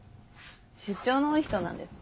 出張の多い人なんです。